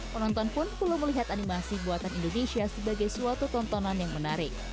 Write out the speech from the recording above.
penonton pun perlu melihat animasi buatan indonesia sebagai suatu tontonan yang menarik